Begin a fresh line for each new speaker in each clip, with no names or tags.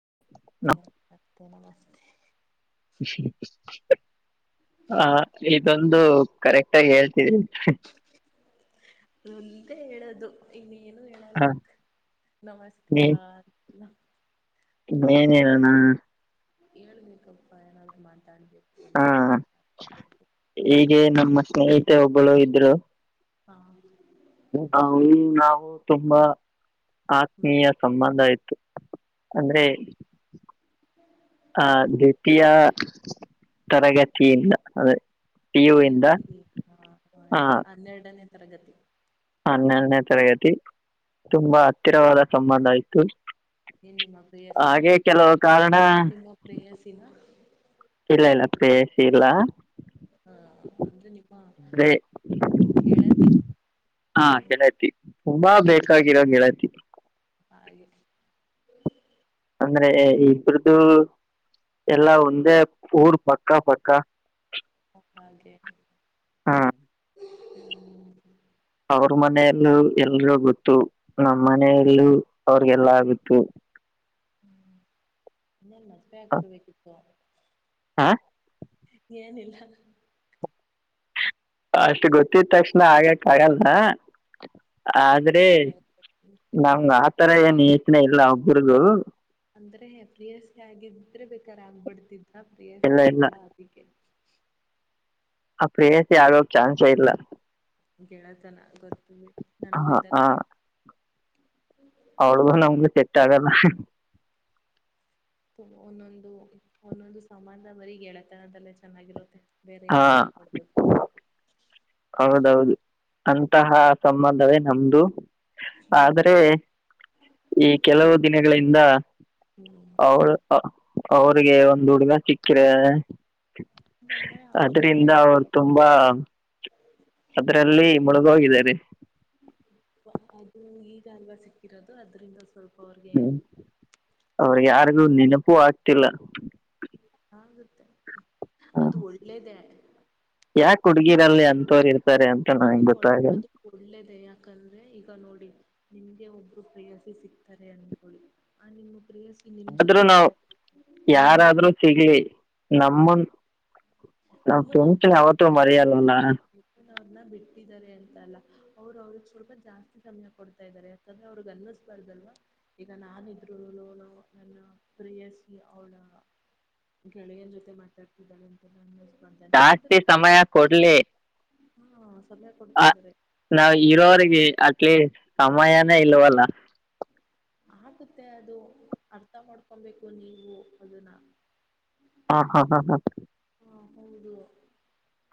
[inaudible]
[unintelligible] ತ್ತ ನಮಸ್ತೆ.
ಜ [inaudible] ಹ ಇದೊಂದು ಕರೆಕ್ಟ್ ಆಗಿ ಹೇಳ್ತಿದೆ ಹು.
ಅದೊಂದೆ ಹೇಳದು ಇಲ್ಲಿ ಏನು ಹೇಳಲ್ಲ
ಆ
ನಮಸ್ಕಾರ ಅಂತೆ
ಇನ್ನೇನ್ ಹೆಳಣ.
ಹೇಳ್ಬೇಕಪ್ಪಾ ಏನಾದ್ರು ಮಾತಾಡಬೇಕ
ಹಾ ಹೀಗೆ ನಮ್ಮ ಸ್ನೇಹಿತೆ ಒಬ್ಬಳು ಇದ್ರು.
ಹ್ಮಾ
ಅವಳು ನಾವು ತುಂಬಾ
ಹ್ಮ
ಆತ್ಮೀಯ ಸಂಬಂಧ ಇತ್ ಅಂದ್ರೆ ಆ ದ್ವಿತೀಯ. ತರಗತಿ ಇಂದ ಅದೇ.
ಪಿಯುಸಿ
ಆ
ಹನ್ನೆರಡನೇ ತರಗತಿ.
ಹನ್ನೆರಡನೇ ತರಗತಿ ತುಂಬಾ
ಹ್ಮ್
ಹತ್ತಿರವಾದ ಸಂಬಂಧ ಇತ್ತು.
ಏನ್ ನಿಮ್ಮ ಪ್ರೇಯಸೀನಾ
ಹಾಗೆ ಕೆಲವು ಕಾರಣ
ನಿಮ್ಮ ಪ್ರೆಯಸೀನಾ.
ಇಲ್ಲ ಇಲ್ಲ ಪ್ರೇಯಸಿ ಇಲ್ಲ.
ಹಾ ಅಂದ್ರೆ ನಿಮ್ಮ.
ಅಂದ್ರೆ
ಗೆಳತಿ
ಹಾ ಗೆಳತಿ ತುಂಬಾ ಬೇಕಾಗಿರೋ ಗೆಳತಿ.
ಹಾಗೆ.
ಅಂದ್ರೆ ಇಬ್ರ್ದು. ಎಲ್ಲಾ ಒಂದೇ ಊರ್ ಪಕ್ಕ ಪಕ್ಕ.
ಹಾಗೆ
ಹಾ
ಹ್ಮ್.
ಅವ್ರ ಮನೆಯಲ್ಲೂ ಎಲ್ರಿಗೂ ಗೊತ್ತು ನಮ್ಮ ಮನೆಯಲ್ಲೂ ಅವ್ರಿಗೆಲ್ಲ ಗೊತ್ತು. [inaudible]
ಇನ್ನೆನ್ ಮದುವೆ ಆಗ್ ಬಿಡಬೇಕಿತ್ತು.
ಹಾ
ಏನಿಲ್ಲ.
ಅಷ್ಟು ಗೊತ್ತಿದ್ ತಕ್ಷಣ ಆಗಕ್ ಆಗಲ್ಲ. ಆದ್ರೆ
ಹೇಳ್ಬೇಕು
ನಮಗ ಆತರ ಏನು ಯೋಚನೆ ಇಲ್ಲ ಅವು ಕ್ರೋಧು
ಅಂದ್ರೆ ಪ್ರಿಯಸಿ ಆಗಿದ್ರೆ ಬೇಕಾರ ಆಗ್ಬಿಡ್ತಿದ್ದ ಪ್ರಿಯಾಸಿ
ಇಲ್ಲ ಇಲ್ಲ
ಅಲ್ವಲ್ಲ ಅದಕ್ಕೆ
ಆ ಪ್ರೇಯಸಿ ಆಗಕ್ ಚಾನ್ಸೇ ಇಲ್ಲ
ಗೆಳತನ ಗೊತ್ತು ನನಗು ಇ
ಅವಳ್ಗೂ ನಮಗೂ ಸೆಟ್ ಆಗಲ್ಲ.
[unintelligible] ಒಂದೊಂದು ಒಂದೊಂದು ಸಂಬಂಧ ಬರಿ ಗೆಳೆತನದೆಲ್ಲ ಚೆನ್ನಾಗಿರುತ್ತೆ. ಬೇರೆ
ಹಾ
ಏನು ಆಗಬಾರದಂತ.
ಹೌದೌದು ಅಂತಹ ಸಂಬಂಧವೇ ನಮ್ದು.
ಹ್ಮ್
ಆದರೆ ಈ ಕೆಲವು ದಿನಗಳಿಂದ.
ಹ್ಮ್
ಅವಳ್ ಅವ್ರಿಗೆ ಒಂದು ಹುಡ್ಗ ಸಿಕ್ಕಿದನೆ.
ಬಂದ್ರೆ ಅವ್ರ ಜೊತೆ
ಅದ್ರಿಂದ ಅವರು
ಇರ್ತಾರೆ
ತುಂಬಾ. ಅದ್ರಲ್ಲಿ ಮುಳುಗೋಗಿದಾರೆ.
ಅದು ಈಗಲ್ವಾ ಸಿಕ್ಕಿರೋದು ಅದ್ರಿಂದ ಸ್ವಲ್ಪ ಅವ್ರಿಗೆ
ಹ್ಮ್ ಅವ್ರಿಗೆ ಯಾರಿಗೂ ನೆನಪು ಆಗ್ತಿಲ್ಲ
ಆಗತ್ತೆ ಅದು ಒಳ್ಳೇದ
ಯಾಕ ಹುಡುಗಿರಲ್ಲಿ ಅಂತೋರು ಇರ್
ಅದು ಒ ಅದು ಒಳ್ಳೇದ ಯಾಕಂದ್ರೆ ಈಗ ನೋಡಿ ನಿಮಗೆ ಒಬ್ಬರು ಪ್ರೆಯಸಿ ಸಿಗ್ತಾರೆ ಅಂದ್ಕೊಳ್ಳಿ ಆ ನಿಮ್ಮ ಪ್ರೇಯಸಿ ನಿಮ್
ಆದ್ರೂ
ಜೊತೆ
ನಾವ್
ಮಾತಾಡ್ಬೇಕು ನಿಮ್
ಯಾರಾದ್ರೂ
ಜೊತೆ
ಸಿಗ್ಲಿ ನಮ್ಮನ್ ನಾವ್
ನಿಮ್ಮನ್ನ್ರು
ಫ್ರೆಂಡ್ಸ್ ಯಾವತ್ತೂ
ಬಿಟ್ಟಿದ್ದಾರೆ ಅಂತೆ
ಮರೆಯಲ್ಲ
ನಿಮ್ಮವ್ರನ್ನ ಬಿಟ್ಟಿದ್ದಾರೆ ಅಂತ ಅಲ್ಲ ಅವ್ರ ಅವ್ರ ಸ್ವಲ್ಪ ಜಾಸ್ತಿ ಸಮಯ ಕೊಡ್ತಾ ಇದ್ದಾರೆ ಯಾಕಂದ್ರೆ ಅವ್ರಗ್ ಅನ್ನಿಸ್ಬಾರ್ದಲ್ವಾ ಈಗ ನಾನ ಇದ್ರು ಲೋನು ನನ್ನ ಪ್ರೆಯಸಿ ಅವಳ ಗೆಳೆಯನ್ ಜೊತೆ ಮಾತಾಡ್ತಿದ್ದಳಂತ ನ
ಜಾಸ್ತಿ ಸಮಯ ಕೊಡ್ಲಿ
ಹಾ ಸಮಯ ಕೊಡ್ತಾ
ಅ
ಇದ್ದಾರೆ
ನಾವು ಇರೋವರೆಗೆ ಅಟ್ಲೀ ಸಮಯನೇ ಇಲ್ವಲ್ಲ
ಆಗುತ್ತೆ ಅದು ಅರ್ಥ ಮಾಡ್ಕೊಬೇಕು ನೀವು ಅದನ್ನ
ಹಾ ಹಾ ಹಾ ಹಾ
ಹಾ ಹೌದು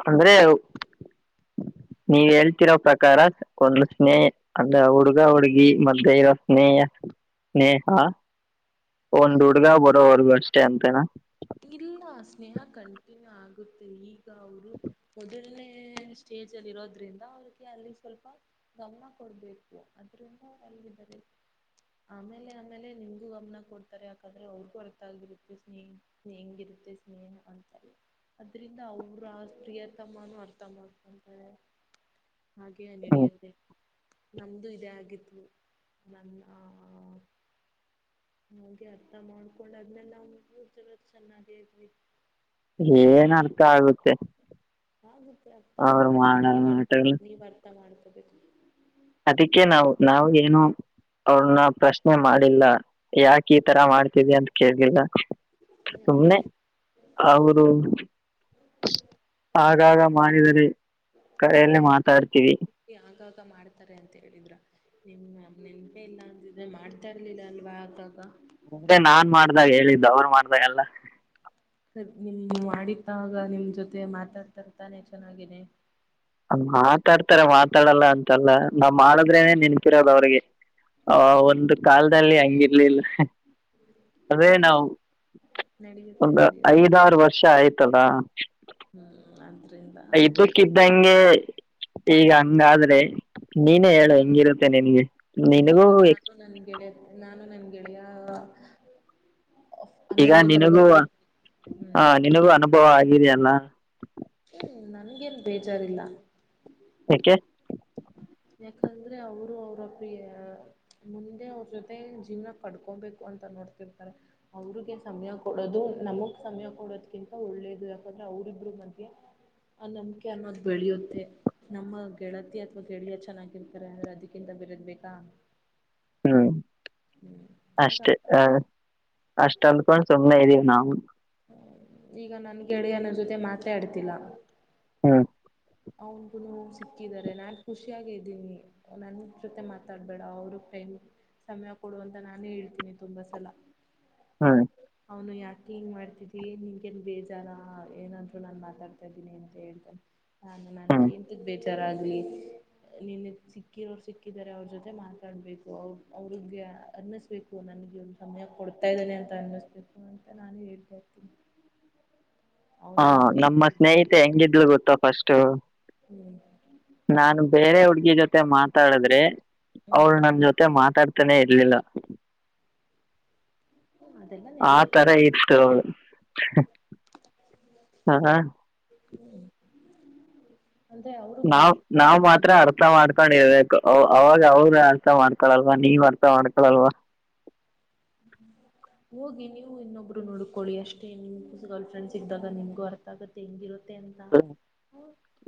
ಅಂದ್ರೆ [inaudible] ನೀವ್ ಹೇಳ್ತಿರೋ ಪ್ರಕಾರ ಒಂದು ಸ್ನೇಹ ಅಂದ್ರೆ ಹುಡುಗ ಹುಡುಗಿ ಮದ್ಯ ಇರೋ ಸ್ನೇಹ ಸ್ನೆಹಾ ಒಂದ ಹುಡ್ಗ ಬರೋವರ್ಗೂ ಅಷ್ಟೇ ಅಂತನಾ
ಇಲ್ಲ ಸ್ನೇಹ ಕಂಟಿನ್ಯೂ ಆಗುತ್ತೆ ಈಗ ಅವರು ಮೊದಲನೇ ಸ್ಟೇಜ್ ಅಲ್ಲಿ ಇರೋದ್ರಿಂದ ಅವಿಗೆ ಅಲ್ಲಿ ಸ್ವಲ್ಪ ಗಮನ ಕೊಡಬೇಕು ಅದ್ರಿಂದ ಂದ [unintelligible] ಆಮೇಲೆ ಆಮೇಲೆ ನಿಮಗೂ ಗಮನ ಕೊಡ್ತಾರೆ ಯಾಕಂದ್ರೆ ಅವ್ರಿಗೂ ಅರ್ಥ ಆಗಿರುತ್ತೆ ಸ್ನೇಹಿ ಹೆಂಗಿರುತ್ತೆ ಸ್ನೇಹ ಅಂತ ಅದ್ರಿಂದ ಅವ್ರ ಆ ಪ್ರಿಯತಮ್ಮನೂ ಅರ್ಥ ಮಾಡ್ಕೊಂಡ ಹಾಗೆಯ
ಹ್ಮ್
ನಡಿಯತ್ತೆ ನಮ್ದು ಇದೇ ಆಗಿತ್ತು ನನ್ನ ನನಗೆ ಅರ್ಥ ಮಾಡ್ಕೊಂಡ ಆದ್ಮೇಲೆ ನಾವ ಮೂರ ಜನ ಚೆನ್ನಾಗೇ ಇದ್ವಿ
ಏನ್ ಅರ್ಥ ಆಗುತ್ತೆ
ಆಗುತ್ತ ಅರ್ಥ
ಅವ್ರ
ಆಗುತ್ತೆ
ಮಾಡೋ
ನೀವ್ ಅರ್ಥ
ನಾಟಗಳು
ನೀವ್ ಅರ್ಥ ಮಾಡ್ಕೋಬೇಕು
ಅದಕ್ಕೆ ನಾವು ನಾವು ಏನು ಅವ್ರನ್ನ ಪ್ರಶ್ನೆ ಮಾಡಿಲ್ಲ ಯಾಕ ಈ ತರ ಮಾಡ್ತದಿಯಾ ಅಂತ ಕೇಳಲಿಲ್ಲ ಸುಮ್ನೆ
ಹ್ಮ್
ಅವರು ಆಗಾಗ ಮಾಡಿದರೆ
ಎಲ್ಲ
ಕರೆಯಲ್ಲಿ
ಉಂಟ
ಮಾತಾಡ್ತೀವಿ
ಆಗಾಗ ಮಾಡ್ತಾರೆ ಅಂತ ಅಂತ ಹೇಳಿದ್ರ ನಿ ನನ್ಪೇ ಇಲ್ಲ ಅಂದಿದ್ರೆ ಮಾಡ್ತಾ ಇರ್ಲಿಲ್ಲ ಅಲ್ವಾ ಆಗಾಗ
ಅಂದ್ರೆ ನಾನ್ ಮಾಡ್ದಾಗ ಹೇಳಿದ್ದ ಅವರು ಮಾಡ್ದಾಗಲ್ಲ
ನಿಮ್ ಮಾಡಿದ್ದಾಗ ನಿಮ್ ಜೊತೆ ಮಾತಾಡ್ತರ್ತಾನೆ ಚೆನ್ನಾಗೇ
ಮಾತಾಡ್ತಾರೆ ಮಾತಾಡಲ್ಲ ಅಂತಲ್ಲ ನಾವ್ ಮಾಡದ್ರೇನೆೇ ನೆನ್ಪಿರೋದು ಅವ್ರಿಗೆ ಆ ಒಂದು ಕಾಲದಲ್ಲಿ ಹಂಗಿರ್ಲಿಲ್ಲ ಅದೇ
ಇದೆಲ್ಲ
ನಾವು
ನಡೆಯುತ್ತೆ
ಒಂದು
ನಡೆಯುತ್ತೆ
ಐದಾರು ವರ್ಷ ಆಯ್ತಲ್ಲಾ
[unintelligible]
ಇದೂಕ್ಕಿದ್ದಂಗೆ ಈಗ ಹಂಗಾದ್ರೆ ನೀನೇ ಹೇಳು
ಇವಾಗ
ಹೆಂಗಿರುತ್ತೆ ನಿನ್ಗೆ ನಿನಗೂ
ನನ್ನ ಗೆಳೆಯಾ
ಈಗ ನಿನಗೂ
ಹ್ಮ್
ಹ ನಿನಗೂ ಅನುಭವ ಆಗಿದಲ್ಲ
ಹ್ಮ್ ನನ್ಗೇನ್ ಬೇಜಾರಿಲ್ಲ
ಯಾಕೆ
ಯಾಕಂದ್ರೆ ಅವರು ಅವ್ರ ಪ್ರಿಯ ಮುಂದೆ ಅವ್ರ ಜೊತೆ ಜೀವನ ಪಡ್ಕೊಬೇಕು ಅಂತೋ ರ್ತಾರೆ ಅವ್ರಿಗೆ ಸಮಯ ಕೊಡೋದು ನಮಗ್ ಸಮಯ ಕೊಡೋದ್ಕಿಂತ ಒಳ್ಳೇದು ಯಾಕಂದ್ರೆ ಅವ್ರಗ್. ಮಧ್ಯ ಆ ನಂಬಿಕೆ ಅನ್ನೋದ್ ಬೆಳೆಯುತ್ತೆ, ನಮ್ಮ ಗೆಳತಿ ಅಥವಾ [unintelligible] ಚೆನ್ನಾಗಿರ್ತಾರೆ ಅಂದ್ರೆ ಅದಕ್ಕಿಂತ ಬೆರೆದ್ ಬೇಕಾ.
ಹ್ಮ್.
ಹ್ಮ್ ಆಗ
ಅಷ್ಟೇ,
ಅರ್ಥ
ಅ ಅಷ್ಟ್ ಅಂದ್ಕೊಂಡ್ ಸುಮ್ಮನೆ ಇದ್ದೀವಿ ನಾವುನು.
ಈಗ ನನ್ ಗೆಳೆಯನ ಜೊತೆ ಮಾತೆ ಆಡ್ತಿಲ್ಲ.
ಹ್ಮ್.
ಅವನ್ಗುನು ಸಿಕ್ಕಿದಾರೆ, ನಾನ್ ಖುಷಿಯಾಗೆ ಇದ್ದೀನಿ, ನನ್ ಜೊತೆ ಮಾತಾಡ್ಬೇಡ, ಅವ್ರು ಟೈಮ್ ಸಮ್ಯ ಕೊಡು ಅಂತ ನಾನೇ ಹೇಳ್ತೀನಿ ತುಂಬಾ ಸಲ.
ಹ್ಮ.
ಅವ್ನು ಯಾಕೆ ಹಿಂಗ್ ಮಾಡ್ತಿದಿ ನಿಂಗೇನ್ ಬೇಜಾರ ಏನಂದ್ರು ನಾನ್ ಮಾತಾಡ್ತಾದ್ದೀನಿ ಅಂತ ಹೇಳ್ತಾನೆ. ನಾನು ನಂಗ್
ಹ್ಮ್
ಎಂತುಕ್ ಬೇಜಾರ್ ಆಗ್ಲಿ. ನಿನಿಗ್ ಸಿಕ್ಕಿರೋರು ಸಿಕ್ಕಿದಿದ್ದಾರೆ, ಅವ್ರ ಜೊತೆ ಮಾತಾಡ್ಬೇಕು, ಅವ್ರ್ ಅವ್ರಿಗೆ ಅರ್ನ್ನಿಸ್ಬೇಕು ಅ. ನಂಗ್ ಇವ್ನು ಸಮಯ ಕೊಡ್ತಾ ಇದ್ದಾನೆ ಅಂತ ಅನ್ನಿಸ್ಬೇಕು ಅಂತ ನಾನು ಹೇಳ್ತಾ ಇರ್ತೀನಿ.
[inaudible] ಹಾ
ಅವನೇನು
ನಮ್ಮ
ಅನ್ಕೋಬೇಕಿದ್ದಾರೆ
ಸ್ನೇಹಿತೆ ಹೆಂಗಿದ್ಲು ಗೊತ್ತಾ ಫಸ್ಟ್.
ಹ್ಞೂ
ನಾನು ಬೇರೆ ಹುಡ್ಗಿ ಜೊತೆ ಮಾತಾಡದ್ರೆ ಅವ್ಳು
ಹ್ಞೂ
ನನ್ ಜೊತೆ ಮಾತಾಡ್ತಾನೇ ಇರ್ಲಿಲ್ಲ.
ಅದೆಲ್ಲ
ಅ
ನಡೆಯುತ್ತೆ
ತರ ಇತ್ತು ಅವ್ಳು, ಹಾ.
[inaudible] ಅವ್ರಗ್
ನಾವ್ ನಾವ್
ಗೊತ್ತಾಗುತ್ತೆ
ಮಾತ್ರ
ಈಗ
ಅರ್ಥ ಮಾಡ್ಕೊಂಡ್ ಇರ್ಬೆಕ್. ಅವ್ ಅವಾಗ ಅವ್ರು ಅರ್ಥ ಮಾಡ್ಕೊಳಲ್ವಾ, ನೀವ್ ಅರ್ಥ ಮಾಡ್ಕೊಳಲ್ವಾ. [inaudible]
ಹೋಗಿ ನೀವು ಇನ್ನೊಬ್ರುನುಡ್ಕೊಳ್ಳಿ ಅಷ್ಟೇ ನಿಮ್ಸ ಗರ್ಲ್ ಫ್ರೆಂಡ್ಸ್ ಸಿಕ್ಕ್ದಾಗ ನಿಮ್ಗು ಅರ್ಥ ಆಗುತ್ತೆ, ಹೆಂಗಿರುತ್ತೆ ಅಂತ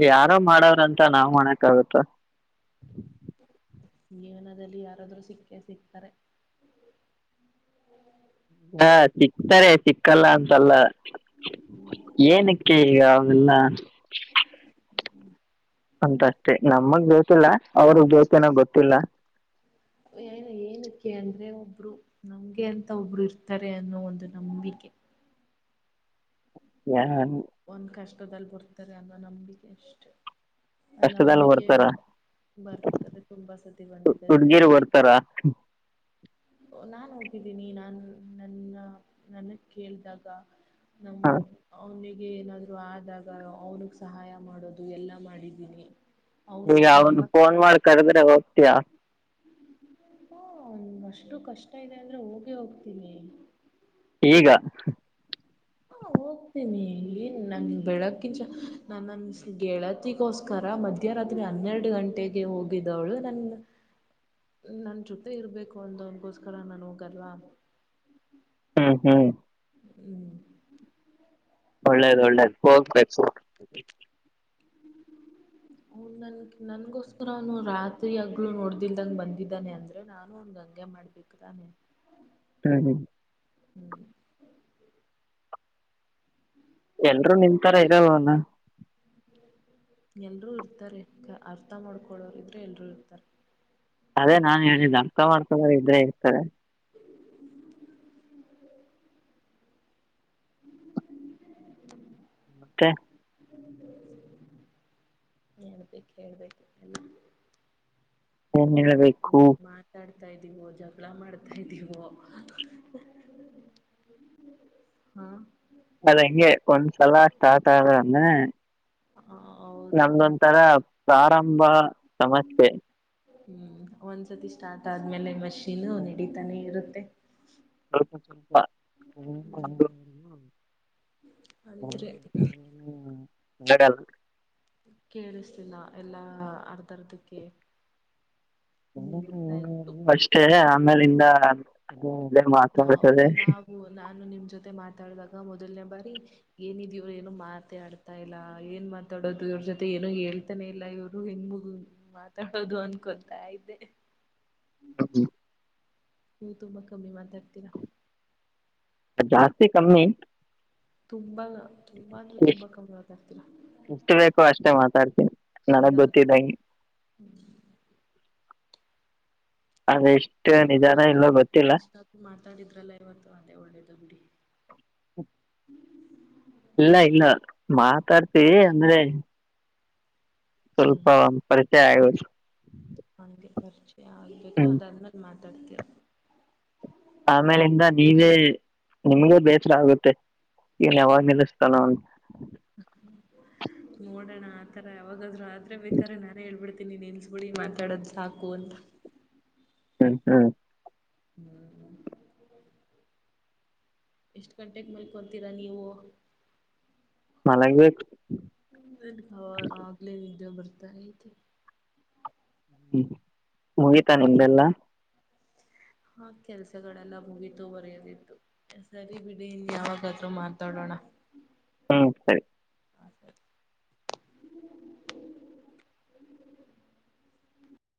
ಯಾರೋ ಮಾಡವ್ರಂತ ನಾವ್ ಮಾಡಕ್ ಆಗುತ್ತಾ.
ಜೀವನದಲ್ಲಿ ಯಾರಾದ್ರು ಸಿಕ್ಕೇ ಸಿಗ್ತಾರೆ.
ಹಾ ಸಿಕ್ತಾರೆ ಸಿಕ್ಕಲ್ಲ ಅಂತಲ್ಲ. ಏನಿಕ್ಕೆ ಈಗ ಅವೆಲ್ಲ. ಅಂತ ಅಷ್ಟೇ ನಮಗ್ ಬೇಕಿಲ್ಲ ಅವ್ರಗ್ ಬೆಕ್ಯನೋ ಗೊತ್ತಿಲ್ಲ.
ಹೇ. ಏನಕ್ಕೆ ಅಂದ್ರೆ ಒಬ್ರು ನಮ್ಗೆ ಅಂತ ಒಬ್ರು ಇರ್ತಾರೆ ಅನ್ನೋ ಒಂದು ನಂಬಿಕೆ.
ಹ.
ಒನ್ ಕಷ್ಟದಲ್ಲಿ ಬರ್ತಾರೆ ಅನ್ನೋ ನಂಬಿಕೆ ಅಷ್ಟೆ. ಆ
ಕಷ್ಟದಲ್
ನಂಬಿಕೆ
ಬರ್ತಾರೆ.
ಇಂದ ಬರ್ತಾರೆ ತುಂಬಾ ಸತಿ ಬಂದಿದ್ದಾರೆ.
ಹುಡ್ಗಿರು
[unintelligible]
ಬರ್ತಾರ
ನಾ ಹೋಗಿದ್ದೀನಿ, ನನ್ ನನ್ನ ನನಗ್ ಕೇಳ್ದಗ. ನಾವ್
ಹ.
ಮೂರ್ ಅವ್ನಿಗ್ ಗೆ ಏನಾದ್ರು ಆದಾಗ ಅವ್ನಗ್ ಸಹಾಯ ಮಾಡೋದು ಎಲ್ಲಾ ಮಾಡಿದ್ದೀನಿ. ಅವನು
ಈಗ ಅವ್ನ್
ನಮ್ಮ
ಫೋನ್ ಮಾಡ್ ಕರೆದ್ರೆ ಹೋಗ್ತೀಯಾ.
ಹಾ ಅವ್ನಿಗ್ ಅಷ್ಟು ಕಷ್ಟ ಇದೆ ಅಂದ್ರೆ ಹೋಗೆ ಹೋಗ್ತೀನಿ.
ಈಗ.
ಹಾ ಹೋಗ್ತೀನಿ ಇಲ್ಲಿ ನನ್ಗೆ ಬೆಳಕಿಂಚ ನನ್ನನ್ ಗೆಳತಿಗೋಸ್ಕರ. ಮಧ್ಯರಾತ್ರಿ ಹನ್ನೆರಡು ಗಂಟೆಗೆ ಹೋಗಿದವಳು ನನ್ನ. ನನ್ ಜೊತೆ ಇರ್ಬೇಕು ಅಂದೋನ್ಗೋಸ್ಕರ ನನ್ ಹೋಗಲ್ವಾ.
ಹ್ಮ್ ಹ್ಮ್.
ಹ್ಮ್.
ಒಳ್ಳೇದ್ ಒಳ್ಳೇದ್. [unintelligible]
ಅವ್ನು ನನ್ ನನ್ಗೋಸ್ಕರ ಅವ್ನ್ ರಾತ್ರಿ ಹಗ್ಲು ನೋಡ್ದಲ್ದಂಗಗೆ ಬಂದಿದ್ದಾನೆ ಅಂದ್ರೆ ನಾನು ಅವ್ನಿಗ್ ಹಂಗೆ ಮಾಡ್ಬೇಕ್. ಇಕ್ತಾನೆ.
ಟೈಮಿಂಗ್.
ಹ್ಮ್.
ಎಲರು ನಿಂತಾರ ಇರಲೇನು.
ಎಲ್ರೂ ಇರ್ತಾರೆ ಅರ್ಥ ಮಾಡ್ಕೊಳೋರು ಇದ್ರೆ ಎಲ್ರೂ ಇರ್ತಾರೆ.
ಅದೇ ನಾನ್ ಹೇಳಿಲ್ಲ ಅರ್ಥ ಮಾಡಕೊಳರ ಇದ್ರೆ ಇರ್ತದೆ.
[inaudible]
ಮತ್ತೆ.
ಹೇಳಬೇಕಲ್ಲ.
ಏನ್ ಹೇಳಬೇಕು.
ಮಾತಾಡ್ತಾ ಇದೀವೋ ಜಗಳ ಮಾಡ್ತಾ ಇದ್ದೀವೋ. ಹ್ಮಂ.
ಅದು ಹಂಗ ಒಂದ್ ಸಲಾ ಸ್ಟಾರ್ಟ್ ಆಯ್ತ ಅಂದ್ರ.
ಹೌದು
ನಮ್ದು ಒಂತರ
ನಡ್ತದೆ
ಪ್ರಾರಂಭ ಸಮಸ್ಯೆ.
ಹ್ಮ್ ಒಂದ ಸತಿ ಸ್ಟಾರ್ಟ್ ಆದ್ಮೇಲೆ ಮಷೀನ್ ನಡೀತಾನೆ ಇರುತ್ತೆ.
[unintelligible]
ಅಂದ್ರೆ
[inaudible] [unintelligible]
ಕೇಳಿಸ್ಲಿಲ್ಲ ಎಲ್ಲಾ ಅರ್ಧರ್ಧಕ್ಕೆ. ನಿಲ್ತಾ ಇತ್ತು
ಅಷ್ಟೇ ಆಮೇಲಿಂದ. [unintelligible]
ಮತ್ತೆ ಮಾತಾಡಿದಾಗ ಮೊದಲನೇ ಬಾರಿ ಏನಿದೀವ್ರು ಏನು ಮಾತಾಡ್ತಾ ಇಲ್ಲ ಏನ್ ಮಾತಾಡೋದು. ಅವರ ಜೊತೆ ಏನೋ ಹೇಳ್ತಾನೆ ಇಲ್ಲ ಇವರು ಹೆಂಗಗ ಮಾತಾಡೋದು ಅನ್ಕೊತಾ ಇದ್ದೆ.
[unintelligible]
ನೀವು ತುಂಬಾ ಕಮ್ಮಿ ಮಾತಾಡ್ತೀರಾ.
ಜಾಸ್ತಿ ಕಮ್ಮಿ.
ತುಂಬಾ. ತುಂಬಾ ಅಂದ್ರೆ
ಇ
ತುಂಬಾ ಕಮ್ಮಿ ಮಾತಾಡ್ತೀರಾ
ಎಸ್ಟ್ ಬೇಕು ಅಷ್ಟೇ ಮಾತಾಡ್ತ.
ಇದಾದರೂ.
ಅದೆಷ್ಟು
ಏನೋ
ನಿಜಾನ ಇಲ್ಲೋ ಗೊತ್ತಿಲ್ಲ
ಮಾತಾಡ ಮಾತಾಡಿದ್ರಲ್ಲ ಇವತ್ತು ಅದೇ ಒಳ್ಳೇದ ಅದಾ.
ಹ್ಮ. ಇಲ್ಲ ಇಲ್ಲ ಮಾತಾಡ್ತಿವಿ ಅಂದ್ರೆ. ಸ್ವಲ್ಪ
ಹ್ಮ್
ಪರಿಚಯ ಆಯತ.
ಹಂಗೆ ಪರಿಚಯ ಆಗಬೇಕು ಅದಾದ್ಮೇಲೆ ಮಾತಾಡ್ತೀರ.
ಆಮೇಲಿಂದ ನೀವೇ ನಿಮ್ಗೂ ಬೇಸರ ಆಗುತ್ತೆ. ಏನ ಎವಾಗ ನಿಲಸ್ತನೋ.
ನೋಡೋಣ ಆತರ ಯಾವಾಗಾದ್ರು ಆದ್ರೆ ಬೇಕಾರೆ ನಾನೇ ಹೇಳ್ಬಿಡ್ತೀನಿ ನಿಲ್ಲಸಬಿಡ್ಡಿ ಮಾತಾಡದು ಸಾಕು. ಒಂದು.
ಹ್ಮ್ ಹ್ಮ್.
ಹ್ಮ್ ಹ್ಮ್ ಎಷ್ಟ್ ಗಂಟೆಗೆ ಮಲ್ಕೊತೀರಾ ನೀವು.
ಮಲಗಬೇಕು.
[unintelligible] ಆಗ್ಲೇ ನಿದ್ದೆ ಬರ್ತಾ ಐತೆ.
ಹ್ಮ್ ಮುಗೀತಾ ನಿಮ್ದೆಲ್ಲಾ.
ಹ್ಮ್ಮ್ ಕೆಲಸಗಳೆಲ್ಲ ಮುಗಿತು ಬರಯೋದಿತ್ತು ಸರಿ ಬಿಡಿ ಇನ್ ಯಾವಾಗಾದ್ರೂ ಮಾತಾಡೋನಾ.
[inaudible] ಹ್ಮ್ಮ್ ಸರಿ.